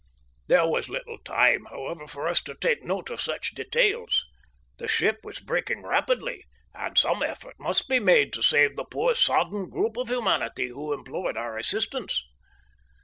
There was little time, however, for us to take note of such details. The ship was breaking rapidly, and some effort must be made to save the poor, sodden group of humanity who implored our assistance.